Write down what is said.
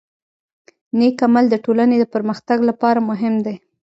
نیک عمل د ټولنې د پرمختګ لپاره مهم دی.